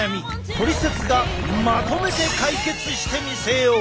「トリセツ」がまとめて解決してみせよう！